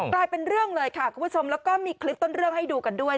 กลายเป็นเรื่องเลยค่ะคุณผู้ชมแล้วก็มีคลิปต้นเรื่องให้ดูกันด้วย